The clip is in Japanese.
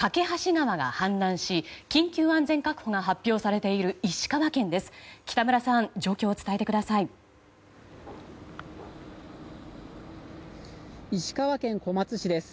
梯川が氾濫し緊急安全確保が発表されている石川県です。